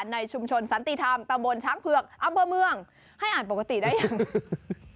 ในชุมชนสันติธรรมตำบลช้างเผือกอำเภอเมืองให้อ่านปกติได้ยัง